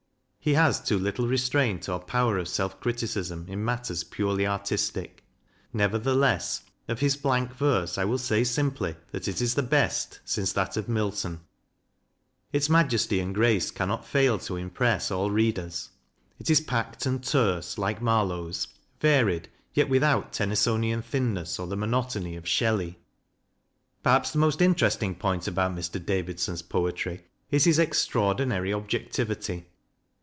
He has too little restraint or power of self criticism in matters purely artistic. Nevertheless, of his blank verse I will say simply that it is the best since that of Milton. Its majesty and grace cannot fail to impress all readers. It is packed and terse, like Marlowe's, varied, yet 192 CRITICAL STUDIES without Tennysonian thinness or the monotony of Shelley. Perhaps the most interesting point about Mr. Davidson's poetry is his extraordinary objectivity.